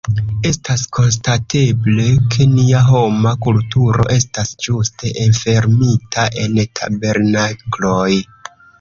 Estas konstateble, ke nia homa kulturo estas ĝuste enfermita en tabernakloj.